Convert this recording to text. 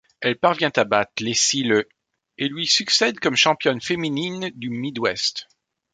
Elle parvient à battre Lacey le et lui succède comme championne féminine du Midwest.